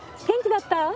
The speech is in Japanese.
元気だった？